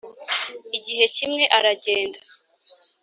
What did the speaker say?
igihe kimwe aragenda